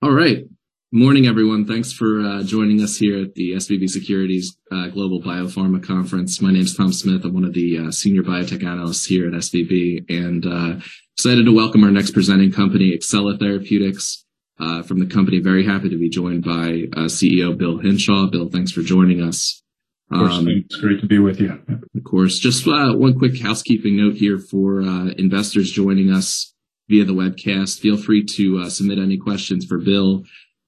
All right. Morning, everyone. Thanks for joining us here at the SVB Securities Global Biopharma Conference. My name is Tom Smith. I'm one of the senior biotech analysts here at SVB and excited to welcome our next presenting company, Axcella. From the company, very happy to be joined by CEO Bill Hinshaw. Bill, thanks for joining us. Of course, Tom. It's great to be with you. Of course. Just one quick housekeeping note here for investors joining us via the webcast. Feel free to submit any questions for Bill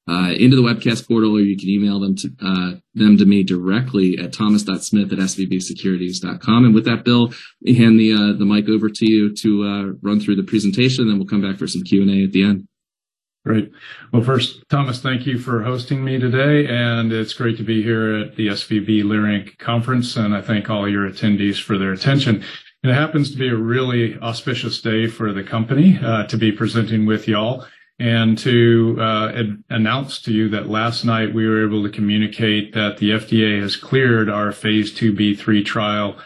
into the webcast portal, or you can email them to me directly at thomas.smith@svbsecurities.com. With that, Bill, let me hand the mic over to you to run through the presentation, and we'll come back for some Q&A at the end. Great. Well first, Thomas, thank you for hosting me today, and it's great to be here at the SVB Leerink Conference, and I thank all your attendees for their attention. It happens to be a really auspicious day for the company to be presenting with y'all and to announce to you that last night we were able to communicate that the FDA has cleared our phase 2b/3 trial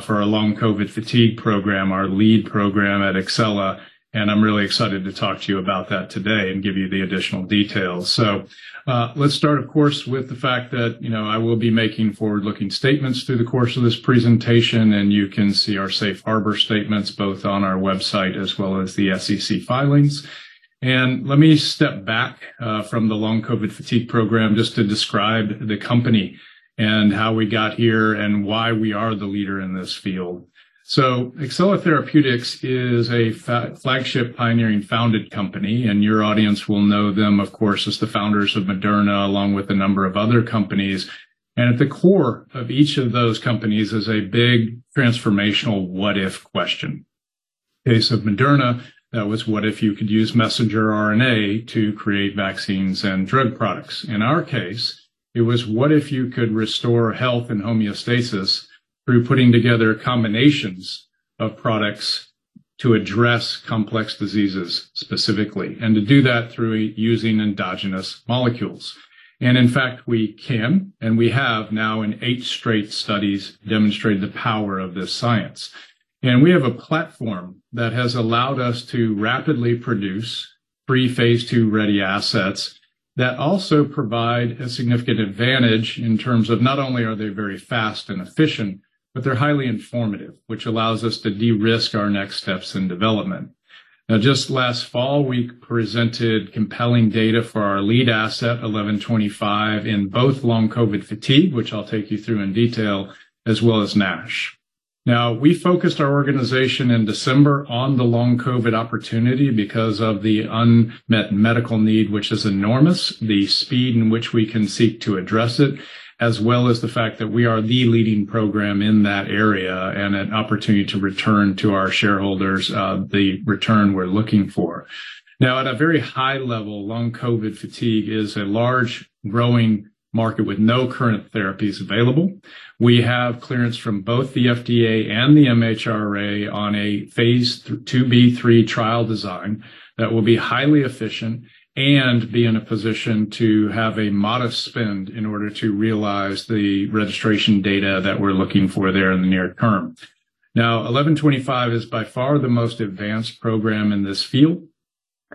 for our Long COVID fatigue program, our lead program at Axcella, and I'm really excited to talk to you about that today and give you the additional details. Let's start, of course, with the fact that, you know, I will be making forward-looking statements through the course of this presentation, and you can see our safe harbor statements both on our website as well as the SEC filings. Let me step back from the long COVID fatigue program just to describe the company and how we got here and why we are the leader in this field. Axcella Therapeutics is a Flagship Pioneering founded company, and your audience will know them, of course, as the founders of Moderna, along with a number of other companies. At the core of each of those companies is a big transformational what if question. Case of Moderna, that was, what if you could use messenger RNA to create vaccines and drug products? In our case, it was, what if you could restore health and homeostasis through putting together combinations of products to address complex diseases specifically, and to do that through using endogenous molecules? In fact, we can, and we have now in 8 straight studies demonstrated the power of this science. We have a platform that has allowed us to rapidly produce pre-phase two ready assets that also provide a significant advantage in terms of not only are they very fast and efficient, but they're highly informative, which allows us to de-risk our next steps in development. Just last fall, we presented compelling data for our lead asset, AXA1125, in both long COVID fatigue, which I'll take you through in detail, as well as NASH. We focused our organization in December on the long COVID opportunity because of the unmet medical need, which is enormous, the speed in which we can seek to address it, as well as the fact that we are the leading program in that area and an opportunity to return to our shareholders, the return we're looking for. At a very high level, Long COVID fatigue is a large growing market with no current therapies available. We have clearance from both the FDA and the MHRA on a phase 2b/3 trial design that will be highly efficient and be in a position to have a modest spend in order to realize the registration data that we're looking for there in the near term. AXA1125 is by far the most advanced program in this field.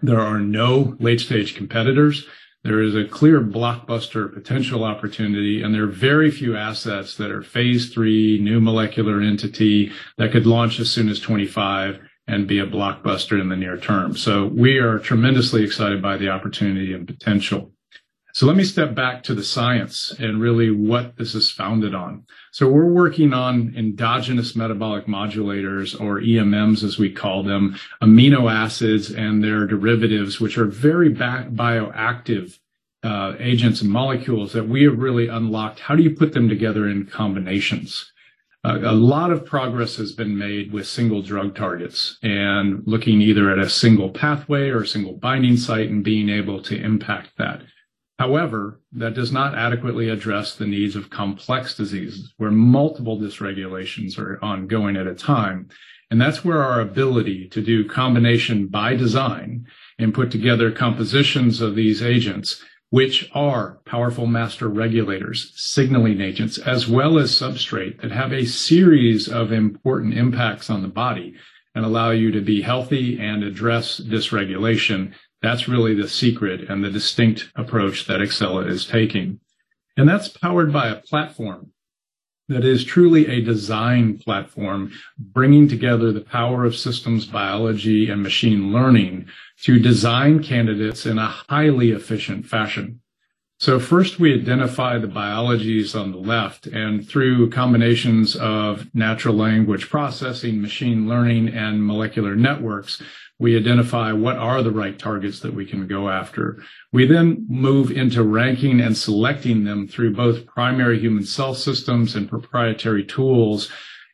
There are no late-stage competitors. There is a clear blockbuster potential opportunity, and there are very few assets that are phase three new molecular entity that could launch as soon as 25 and be a blockbuster in the near term. We are tremendously excited by the opportunity and potential. Let me step back to the science and really what this is founded on. We're working on endogenous metabolic modulators or EMMs as we call them, amino acids and their derivatives, which are very bioactive agents and molecules that we have really unlocked. How do you put them together in combinations? A lot of progress has been made with single drug targets and looking either at a single pathway or a single binding site and being able to impact that. However, that does not adequately address the needs of complex diseases where multiple dysregulations are ongoing at a time. That's where our ability to do combination by design and put together compositions of these agents, which are powerful master regulators, signaling agents, as well as substrate that have a series of important impacts on the body and allow you to be healthy and address dysregulation. That's really the secret and the distinct approach that Axcella is taking. That's powered by a platform that is truly a design platform, bringing together the power of systems biology and machine learning to design candidates in a highly efficient fashion. First, we identify the biologies on the left, and through combinations of natural language processing, machine learning, and molecular networks, we identify what are the right targets that we can go after. We move into ranking and selecting them through both primary human cell systems and proprietary tools.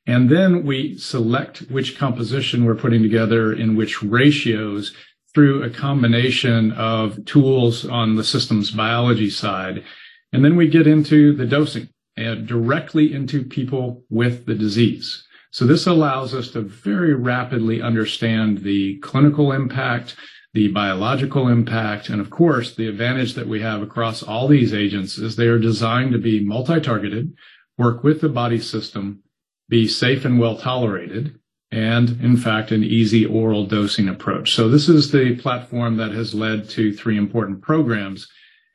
We select which composition we're putting together in which ratios through a combination of tools on the systems biology side. We get into the dosing directly into people with the disease. This allows us to very rapidly understand the clinical impact, the biological impact, and of course, the advantage that we have across all these agents is they are designed to be multi-targeted, work with the body system be safe and well-tolerated, and in fact, an easy oral dosing approach. This is the platform that has led to three important programs.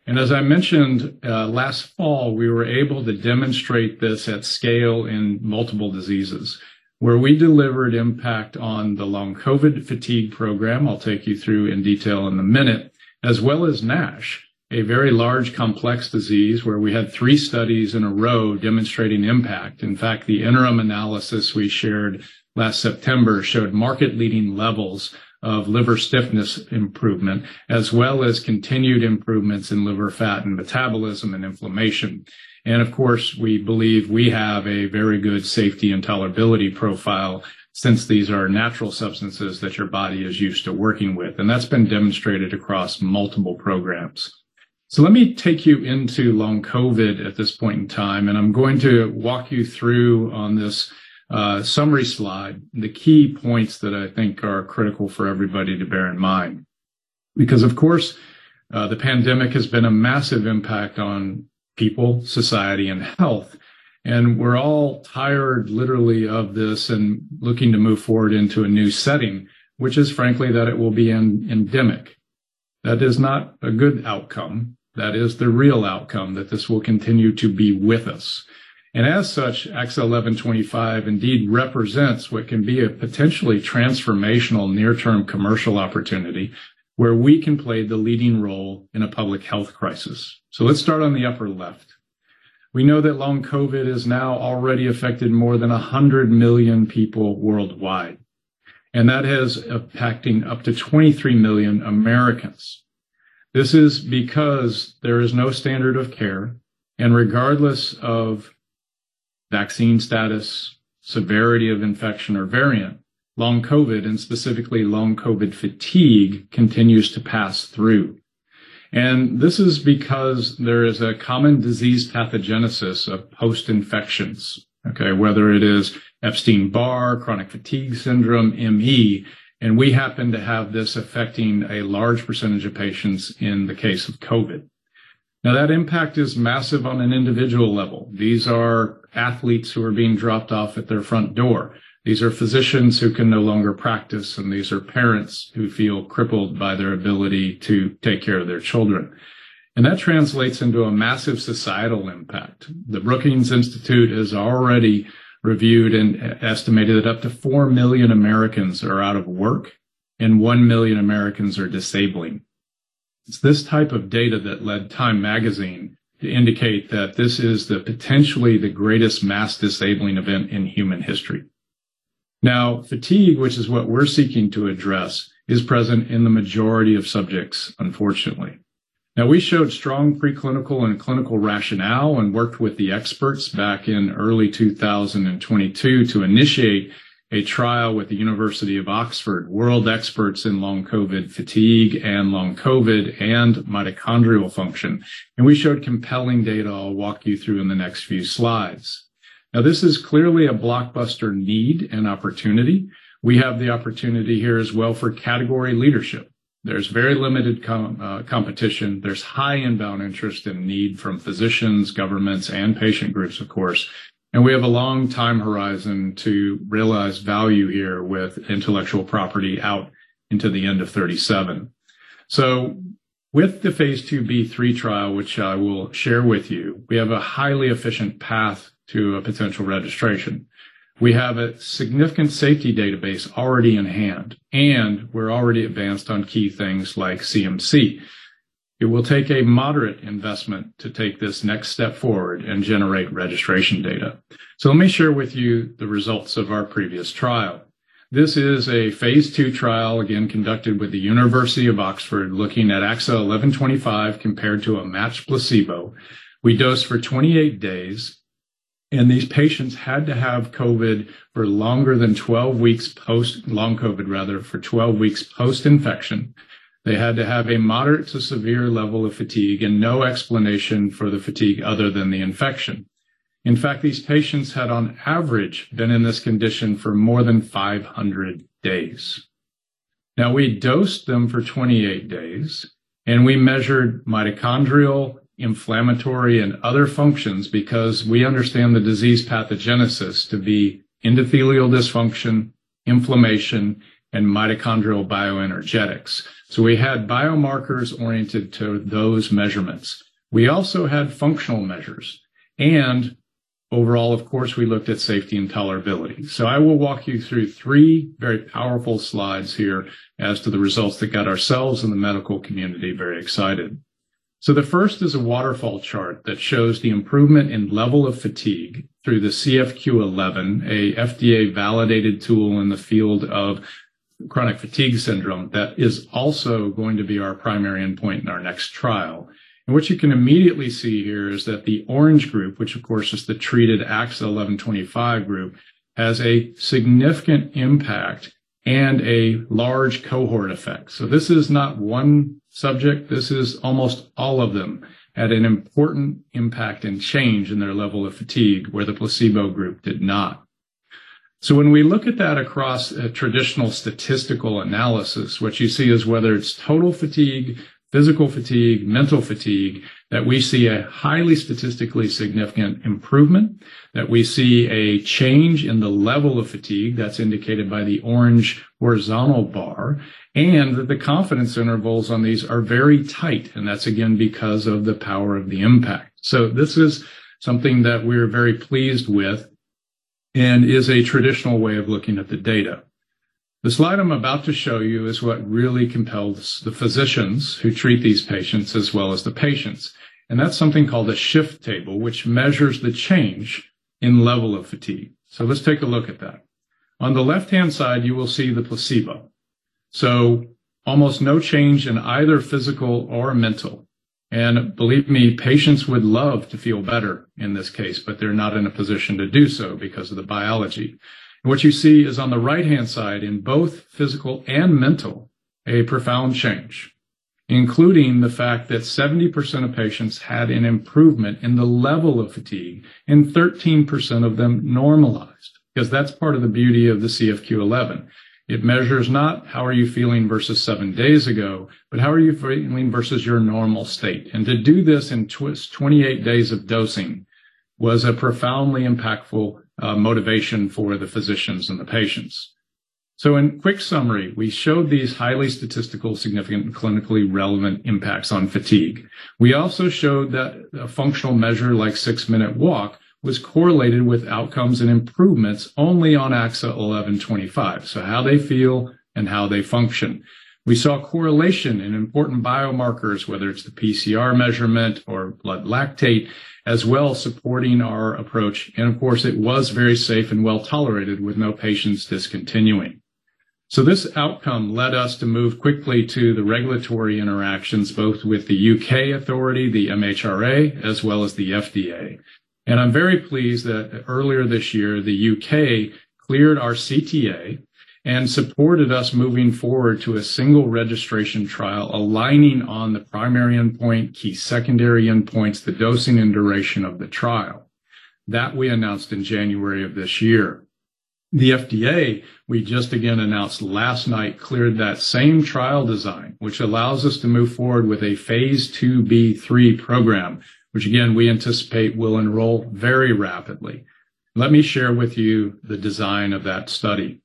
As I mentioned, last fall, we were able to demonstrate this at scale in multiple diseases where we delivered impact on the long COVID fatigue program, I'll take you through in detail in a minute, as well as NASH, a very large, complex disease where we had three studies in a row demonstrating impact. In fact, the interim analysis we shared last September showed market-leading levels of liver stiffness improvement, as well as continued improvements in liver fat and metabolism and inflammation. Of course, we believe we have a very good safety and tolerability profile since these are natural substances that your body is used to working with. That's been demonstrated across multiple programs. Let me take you into long COVID at this point in time, and I'm going to walk you through on this summary slide, the key points that I think are critical for everybody to bear in mind. Because of course, the pandemic has been a massive impact on people, society, and health, and we're all tired, literally, of this and looking to move forward into a new setting, which is frankly, that it will be endemic. That is not a good outcome. That is the real outcome that this will continue to be with us. As such, AXA1125 indeed represents what can be a potentially transformational near-term commercial opportunity where we can play the leading role in a public health crisis. Let's start on the upper left. We know that Long COVID has now already affected more than 100 million people worldwide, and that is impacting up to 23 million Americans. This is because there is no standard of care, and regardless of vaccine status, severity of infection, or variant, Long COVID, and specifically Long COVID fatigue, continues to pass through. This is because there is a common disease pathogenesis of post-infections, okay, whether it is Epstein-Barr, chronic fatigue syndrome, ME, and we happen to have this affecting a large percentage of patients in the case of COVID. That impact is massive on an individual level. These are athletes who are being dropped off at their front door. These are physicians who can no longer practice, these are parents who feel crippled by their ability to take care of their children. That translates into a massive societal impact. The Brookings Institution has already reviewed and estimated that up to 4 million Americans are out of work and 1 million Americans are disabling. It's this type of data that led Time to indicate that this is potentially the greatest mass disabling event in human history. Fatigue, which is what we're seeking to address, is present in the majority of subjects, unfortunately. We showed strong preclinical and clinical rationale and worked with the experts back in early 2022 to initiate a trial with the University of Oxford, world experts in long COVID fatigue and long COVID and mitochondrial function. We showed compelling data I'll walk you through in the next few slides. This is clearly a blockbuster need and opportunity. We have the opportunity here as well for category leadership. There's very limited competition. There's high inbound interest and need from physicians, governments, and patient groups, of course. We have a long time horizon to realize value here with intellectual property out into the end of 2037. With the phase 2b/3 trial, which I will share with you, we have a highly efficient path to a potential registration. We have a significant safety database already in hand, and we're already advanced on key things like CMC. It will take a moderate investment to take this next step forward and generate registration data. Let me share with you the results of our previous trial. This is a phase two trial, again, conducted with the University of Oxford, looking at AXA1125 compared to a matched placebo. We dosed for 28 days, These patients had to have COVID for longer than 12 weeks post- long COVID rather, for 12 weeks post-infection. They had to have a moderate to severe level of fatigue and no explanation for the fatigue other than the infection. In fact, these patients had on average been in this condition for more than 500 days. We dosed them for 28 days, and we measured mitochondrial, inflammatory, and other functions because we understand the disease pathogenesis to be endothelial dysfunction, inflammation, and mitochondrial bioenergetics. We had biomarkers oriented to those measurements. We also had functional measures. Overall, of course, we looked at safety and tolerability. I will walk you through three very powerful slides here as to the results that got ourselves and the medical community very excited. The first is a waterfall chart that shows the improvement in level of fatigue through the CFQ-11, a FDA-validated tool in the field of chronic fatigue syndrome that is also going to be our primary endpoint in our next trial. What you can immediately see here is that the orange group, which of course is the treated AXA1125 group, has a significant impact and a large cohort effect. This is not one subject. This is almost all of them had an important impact and change in their level of fatigue where the placebo group did not. When we look at that across a traditional statistical analysis, what you see is whether it's total fatigue, physical fatigue, mental fatigue, that we see a highly statistically significant improvement, that we see a change in the level of fatigue that's indicated by the orange horizontal bar, and that the confidence intervals on these are very tight, and that's again because of the power of the impact. This is something that we are very pleased with and is a traditional way of looking at the data. The slide I'm about to show you is what really compels the physicians who treat these patients as well as the patients. That's something called a shift table, which measures the change in level of fatigue. Let's take a look at that. On the left-hand side, you will see the placebo. Almost no change in either physical or mental. Believe me, patients would love to feel better in this case, but they're not in a position to do so because of the biology. What you see is on the right-hand side, in both physical and mental, a profound change, including the fact that 70% of patients had an improvement in the level of fatigue, and 13% of them normalized. That's part of the beauty of the CFQ-11. It measures not how are you feeling versus seven days ago, but how are you feeling versus your normal state. To do this in 28 days of dosing was a profoundly impactful motivation for the physicians and the patients. In quick summary, we showed these highly statistical, significant, and clinically relevant impacts on fatigue. We also showed that a functional measure like six-minute walk was correlated with outcomes and improvements only on AXA1125. How they feel and how they function. We saw a correlation in important biomarkers, whether it's the PCr measurement or blood lactate, as well as supporting our approach. Of course, it was very safe and well-tolerated with no patients discontinuing. This outcome led us to move quickly to the regulatory interactions, both with the U.K. authority, the MHRA, as well as the FDA. I'm very pleased that earlier this year, the U.K. cleared our CTA and supported us moving forward to a single registration trial, aligning on the primary endpoint, key secondary endpoints, the dosing and duration of the trial. That we announced in January of this year. The FDA, we just again announced last night, cleared that same trial design, which allows us to move forward with a phase 2b/3 program, which again, we anticipate will enroll very rapidly. Let me share with you the design of that study.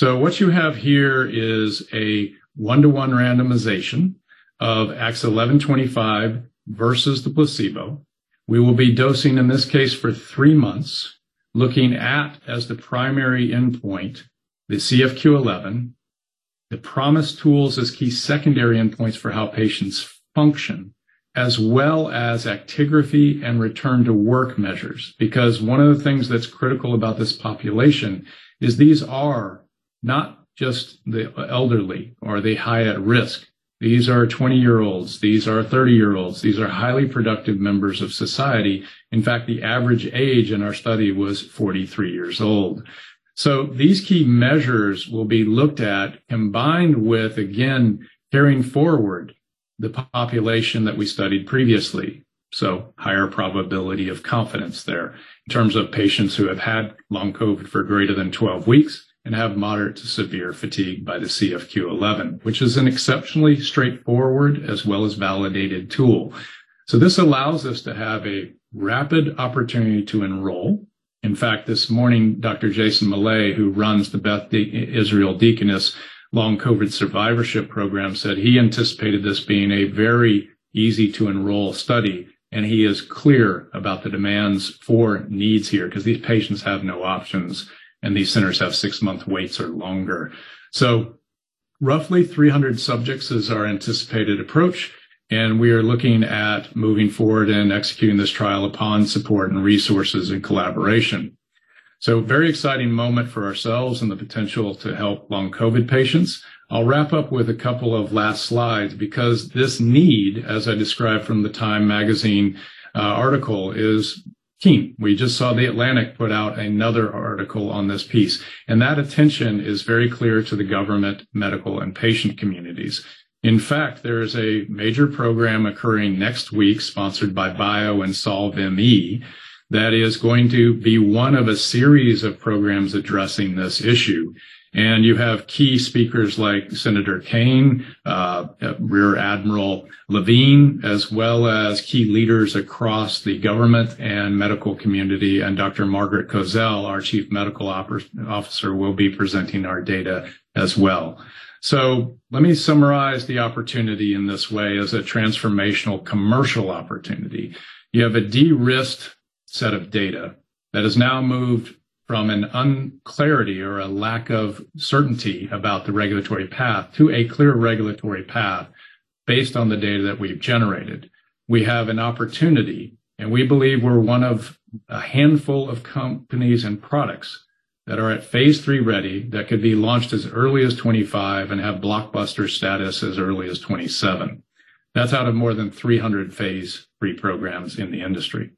What you have here is a 1-to-1 randomization of AXA1125 versus the placebo. We will be dosing, in this case, for three months, looking at as the primary endpoint, the CFQ-11, the PROMIS tools as key secondary endpoints for how patients function, as well as actigraphy and return-to-work measures. One of the things that's critical about this population is these are not just the elderly or the high at risk. These are 20-year-olds, these are 30-year-olds, these are highly productive members of society. In fact, the average age in our study was 43 years old. These key measures will be looked at, combined with, again, carrying forward the population that we studied previously. Higher probability of confidence there in terms of patients who have had long COVID for greater than 12 weeks and have moderate to severe fatigue by the CFQ-11, which is an exceptionally straightforward as well as validated tool. This allows us to have a rapid opportunity to enroll. In fact, this morning, Dr. Jason Maley, who runs the Beth Israel Deaconess Long COVID Survivorship Program, said he anticipated this being a very easy to enroll study, and he is clear about the demands for needs here because these patients have no options, and these centers have six-month waits or longer. Roughly 300 subjects is our anticipated approach, and we are looking at moving forward and executing this trial upon support and resources and collaboration. Very exciting moment for ourselves and the potential to help long COVID patients. I'll wrap up with a couple of last slides because this need, as I described from the Time article, is keen. We just saw The Atlantic put out another article on this piece. That attention is very clear to the government, medical, and patient communities. In fact, there is a major program occurring next week sponsored by BIO Solve M.E. that is going to be one of a series of programs addressing this issue. You have key speakers like Senator Kaine, Rear Admiral Levine, as well as key leaders across the government and medical community. Dr. Margaret Koziel, our Chief Medical Officer, will be presenting our data as well. Let me summarize the opportunity in this way as a transformational commercial opportunity. You have a de-risked set of data that has now moved from an unclarity or a lack of certainty about the regulatory path to a clear regulatory path based on the data that we've generated. We have an opportunity. We believe we're one of a handful of companies and products that are at phase three ready that could be launched as early as 25 and have blockbuster status as early as 27. That's out of more than 300 phase three programs in the industry.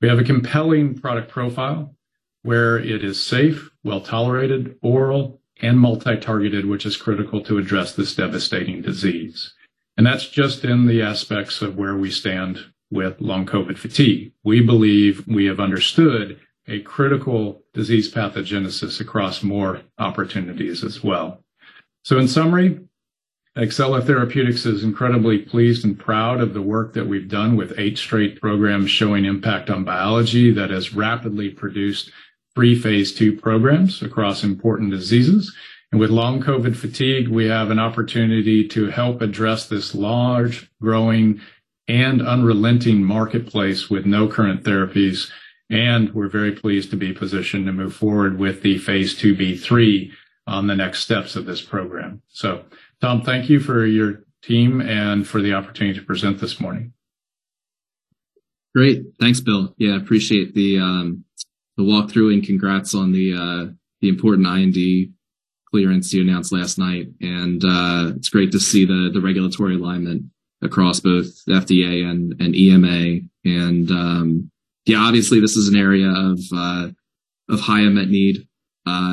We have a compelling product profile where it is safe, well-tolerated, oral, and multi-targeted, which is critical to address this devastating disease. That's just in the aspects of where we stand with Long COVID fatigue. We believe we have understood a critical disease pathogenesis across more opportunities as well. In summary, Axcella Health is incredibly pleased and proud of the work that we've done with eight straight programs showing impact on biology that has rapidly produced three phase two programs across important diseases. With long COVID fatigue, we have an opportunity to help address this large, growing, and unrelenting marketplace with no current therapies. We're very pleased to be positioned to move forward with the phase 2b/3 on the next steps of this program. Tom, thank you for your team and for the opportunity to present this morning. Great. Thanks, Bill. Yeah, I appreciate the walkthrough and congrats on the important IND clearance you announced last night. It's great to see the regulatory alignment across both FDA and EMA. Yeah, obviously this is an area of high unmet need.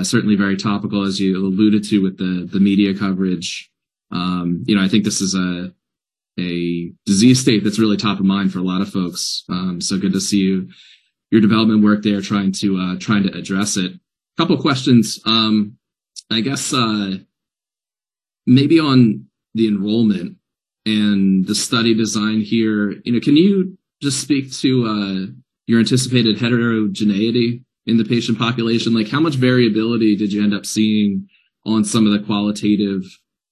Certainly very topical, as you alluded to with the media coverage. You know, I think this is a disease state that's really top of mind for a lot of folks. Good to see you, your development work there, trying to trying to address it. A couple questions. I guess, maybe on the enrollment and the study design here. You know, can you just speak to your anticipated heterogeneity in the patient population? Like, how much variability did you end up seeing on some of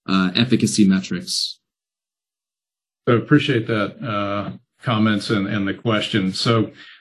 the qualitative, efficacy metrics? I appreciate that, comments and the question.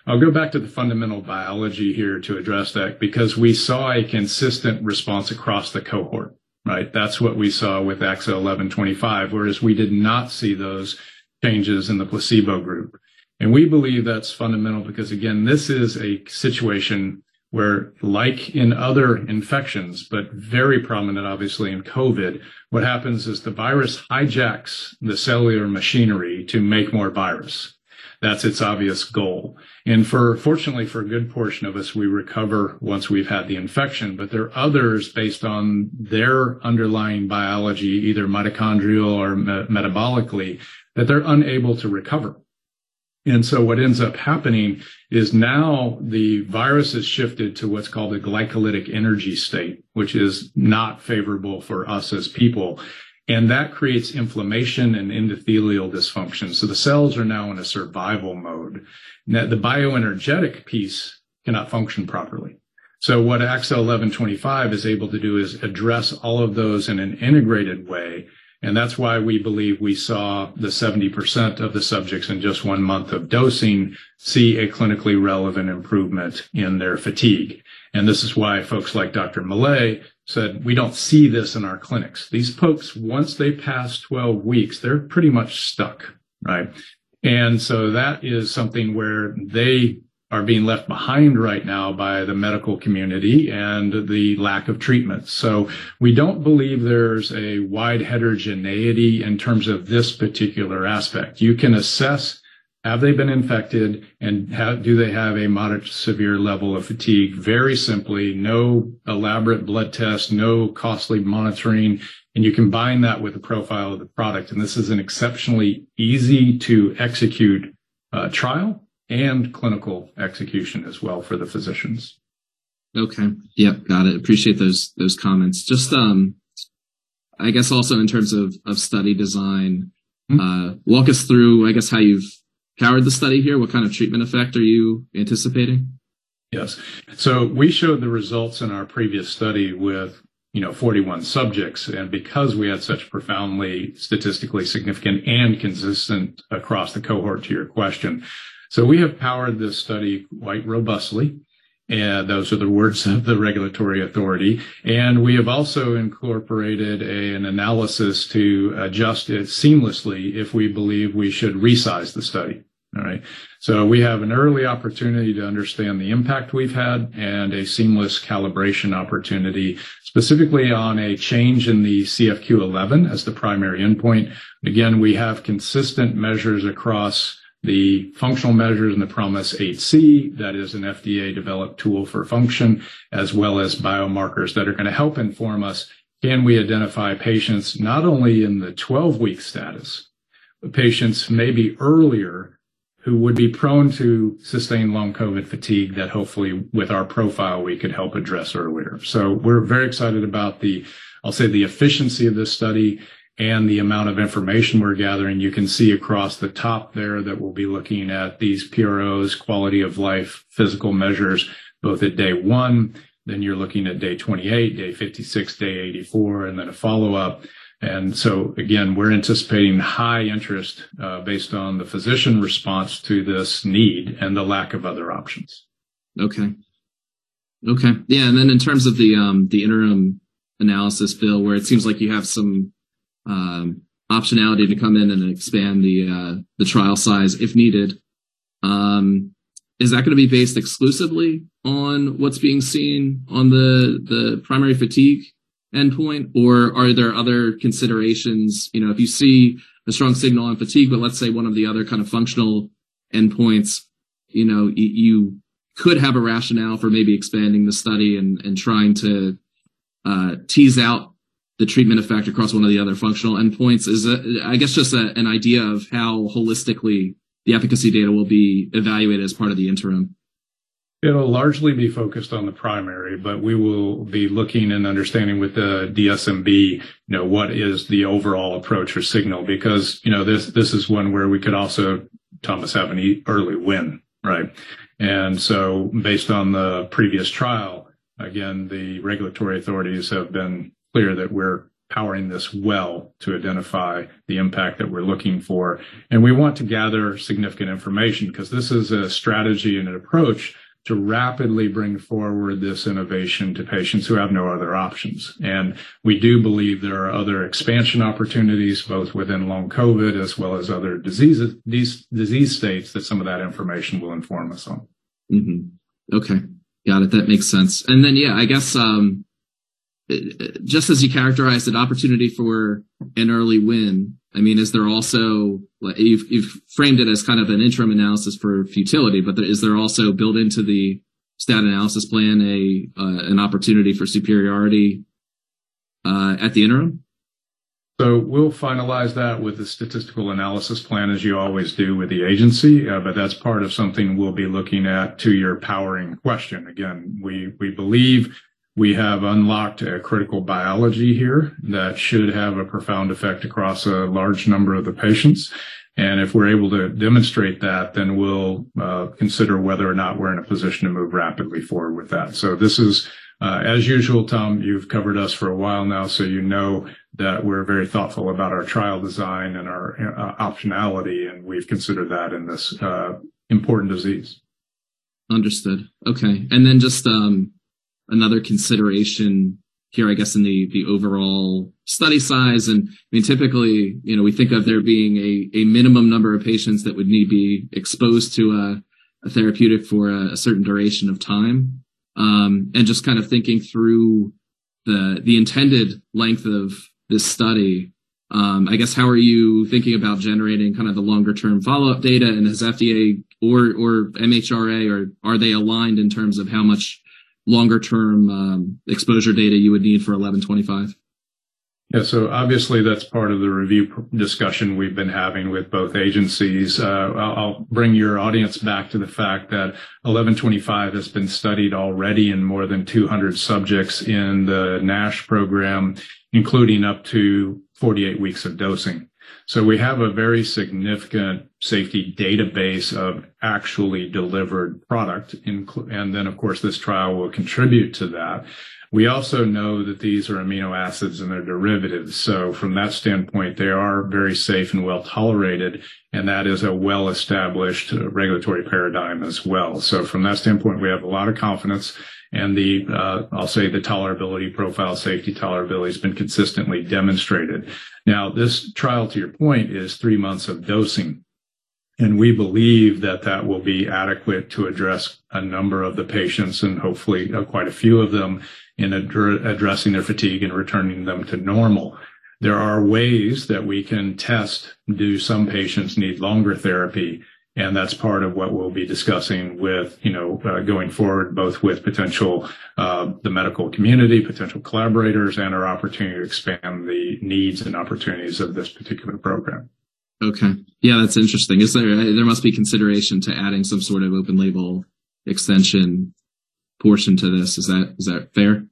I'll go back to the fundamental biology here to address that because we saw a consistent response across the cohort, right? That's what we saw with AXA1125, whereas we did not see those changes in the placebo group. We believe that's fundamental because, again, this is a situation where, like in other infections, but very prominent obviously in COVID, what happens is the virus hijacks the cellular machinery to make more virus. That's its obvious goal. Fortunately, for a good portion of us, we recover once we've had the infection. There are others, based on their underlying biology, either mitochondrial or metabolically, that they're unable to recover. What ends up happening is now the virus has shifted to what's called a glycolytic energy state, which is not favorable for us as people, and that creates inflammation and endothelial dysfunction. The cells are now in a survival mode. Now the bioenergetic piece cannot function properly. What AXA1125 is able to do is address all of those in an integrated way. That's why we believe we saw the 70% of the subjects in just 1 month of dosing see a clinically relevant improvement in their fatigue. This is why folks like Dr. Maley said, "We don't see this in our clinics." These folks, once they pass 12 weeks, they're pretty much stuck, right? That is something where they are being left behind right now by the medical community and the lack of treatment. We don't believe there's a wide heterogeneity in terms of this particular aspect. You can assess have they been infected and do they have a moderate to severe level of fatigue? Very simply, no elaborate blood test, no costly monitoring, you combine that with the profile of the product. This is an exceptionally easy to execute, trial and clinical execution as well for the physicians. Okay. Yep, got it. Appreciate those comments. Just, I guess also in terms of study design... Mm-hmm. Walk us through, I guess, how you've powered the study here. What kind of treatment effect are you anticipating? Yes. We showed the results in our previous study with, you know, 41 subjects. Because we had such profoundly statistically significant and consistent across the cohort to your question. We have powered this study quite robustly. Those are the words of the regulatory authority. We have also incorporated an analysis to adjust it seamlessly if we believe we should resize the study. All right. We have an early opportunity to understand the impact we've had and a seamless calibration opportunity specifically on a change in the CFQ-11 as the primary endpoint. We have consistent measures across the functional measures in the PROMIS 8-C, that is an FDA-developed tool for function, as well as biomarkers that are going to help inform us can we identify patients not only in the 12-week status, but patients maybe earlier who would be prone to sustained Long COVID fatigue that hopefully with our profile we could help address earlier. We're very excited about the, I'll say, the efficiency of this study and the amount of information we're gathering. You can see across the top there that we'll be looking at these PROs quality of life physical measures both at day 1, then you're looking at day 28, day 56, day 84, and then a follow-up. Again, we're anticipating high interest based on the physician response to this need and the lack of other options. Okay. Okay. Yeah, then in terms of the interim analysis, Bill, where it seems like you have some optionality to come in and expand the trial size if needed, is that going to be based exclusively on what's being seen on the primary fatigue endpoint? Or are there other considerations? You know, if you see a strong signal on fatigue, but let's say one of the other kind of functional endpoints, you know, you could have a rationale for maybe expanding the study and trying to tease out the treatment effect across one or the other functional endpoints. Is that, I guess, just an idea of how holistically the efficacy data will be evaluated as part of the interim? It'll largely be focused on the primary, but we will be looking and understanding with the DSMB, you know, what is the overall approach or signal. You know, this is one where we could also, Thomas, have an early win, right? Based on the previous trial, again, the regulatory authorities have been clear that we're powering this well to identify the impact that we're looking for. We want to gather significant information because this is a strategy and an approach to rapidly bring forward this innovation to patients who have no other options. We do believe there are other expansion opportunities both within long COVID as well as other diseases, these disease states that some of that information will inform us on. Okay. Got it. That makes sense. Yeah, I guess, just as you characterized an opportunity for an early win, I mean, You've framed it as kind of an interim analysis for futility. Is there also built into the stat analysis plan an opportunity for superiority at the interim? We'll finalize that with the statistical analysis plan, as you always do with the agency. That's part of something we'll be looking at to your powering question. Again, we believe we have unlocked a critical biology here that should have a profound effect across a large number of the patients. If we're able to demonstrate that, we'll consider whether or not we're in a position to move rapidly forward with that. This is, as usual, Tom, you've covered us for a while now, so you know that we're very thoughtful about our trial design and our optionality, and we've considered that in this important disease. Understood. Okay. another consideration here, I guess, in the overall study size. typically, you know, we think of there being a minimum number of patients that would need to be exposed to a therapeutic for a certain duration of time. just kind of thinking through the intended length of this study, I guess, how are you thinking about generating kind of the longer term follow-up data? Has FDA or MHRA, are they aligned in terms of how much longer term exposure data you would need for AXA1125? Yeah. Obviously that's part of the review discussion we've been having with both agencies. I'll bring your audience back to the fact that AXA1125 has been studied already in more than 200 subjects in the NASH program, including up to 48 weeks of dosing. We have a very significant safety database of actually delivered product of course, this trial will contribute to that. We also know that these are amino acids and they're derivatives. From that standpoint, they are very safe and well-tolerated, and that is a well-established regulatory paradigm as well. From that standpoint, we have a lot of confidence and the, I'll say the tolerability profile, safety tolerability has been consistently demonstrated. This trial, to your point, is three months of dosing, and we believe that that will be adequate to address a number of the patients and hopefully quite a few of them in addressing their fatigue and returning them to normal. There are ways that we can test, do some patients need longer therapy? That's part of what we'll be discussing with, you know, going forward, both with potential, the medical community, potential collaborators, and our opportunity to expand the needs and opportunities of this particular program. Okay. Yeah, that's interesting. There must be consideration to adding some sort of open label extension portion to this. Is that fair?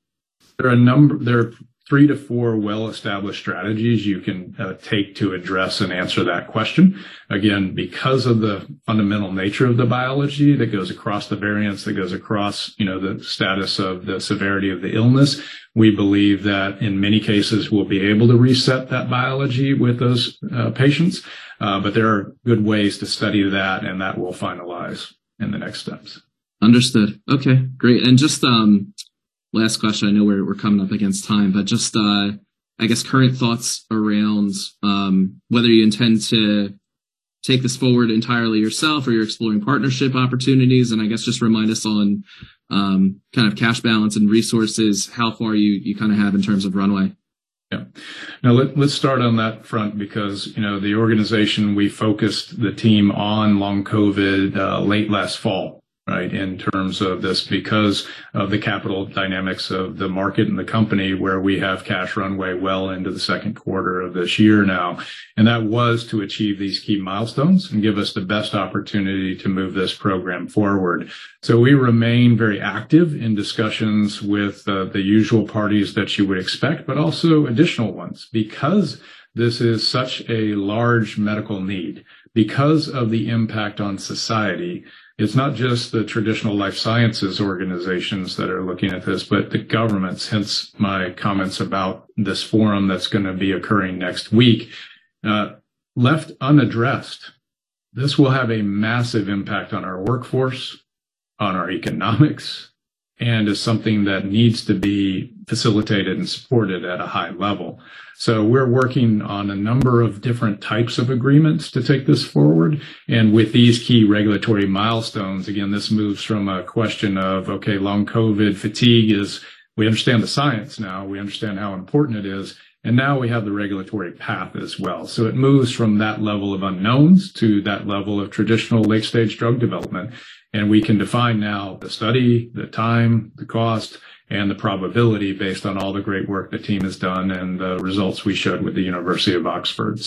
There are 3-4 well-established strategies you can take to address and answer that question. Again, because of the fundamental nature of the biology that goes across the variants, that goes across, you know, the status of the severity of the illness, we believe that in many cases we'll be able to reset that biology with those patients. There are good ways to study that and that we'll finalize in the next steps. Understood. Okay, great. Just last question. I know we're coming up against time, but just I guess current thoughts around whether you intend to take this forward entirely yourself or you're exploring partnership opportunities. I guess just remind us on kind of cash balance and resources, how far you kind of have in terms of runway? Yeah. Let's start on that front because, you know, the organization, we focused the team on Long COVID late last fall, right? In terms of this because of the capital dynamics of the market and the company where we have cash runway well into the Q2 of this year now. That was to achieve these key milestones and give us the best opportunity to move this program forward. We remain very active in discussions with the usual parties that you would expect, but also additional ones because this is such a large medical need, because of the impact on society. It's not just the traditional life sciences organizations that are looking at this, but the governments, hence my comments about this forum that's going to be occurring next week. Left unaddressed, this will have a massive impact on our workforce, on our economics, and is something that needs to be facilitated and supported at a high level. We're working on a number of different types of agreements to take this forward. With these key regulatory milestones, again, this moves from a question of, okay, Long COVID fatigue is we understand the science now, we understand how important it is, and now we have the regulatory path as well. It moves from that level of unknowns to that level of traditional late-stage drug development. We can define now the study, the time, the cost, and the probability based on all the great work the team has done and the results we showed with the University of Oxford.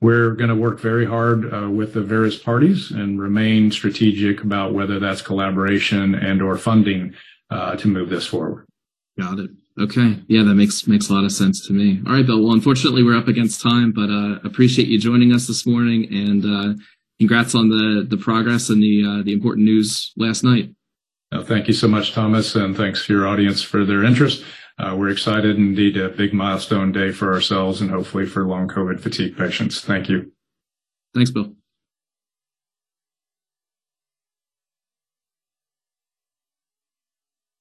We're going to work very hard with the various parties and remain strategic about whether that's collaboration and/or funding, to move this forward. Got it. Okay. Yeah, that makes a lot of sense to me. All right, Bill. Well, unfortunately, we're up against time, but appreciate you joining us this morning and congrats on the progress and the important news last night. Thank you so much, Thomas, thanks to your audience for their interest. We're excited. Indeed, a big milestone day for ourselves and hopefully for Long COVID fatigue patients. Thank you. Thanks, Bill.